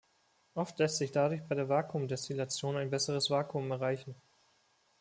Oft lässt sich dadurch bei der Vakuumdestillation ein besseres Vakuum erreichen.